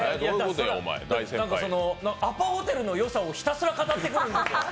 なんかアパホテルの良さをひたすら語ってくるんですよ。